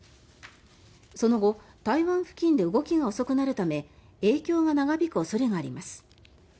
その後、台湾付近で動きが遅くなるため影響が長引く恐れがあります。